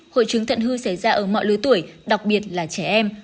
hội chứng thận hư xảy ra ở mọi lứa tuổi đặc biệt là trẻ em